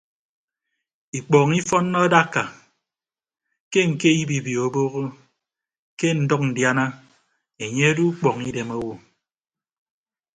Ikpọọñ ifọnnọ adakka ke ñke ibibio obogho ke ndʌñ ndiana enye odo ukpọñ idem owo.